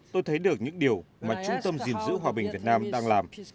tôi thấy được những điều mà trung tâm gìn giữ hòa bình việt nam đang làm